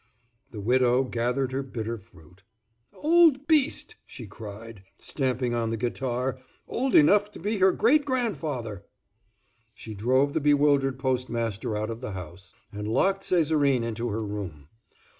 The widow gathered her bitter fruit. "Old beast!" she cried, stamping on the guitar; "old enough to be her great grandfather!" She drove the bewildered postmaster out of the house, and locked Césarine into her room.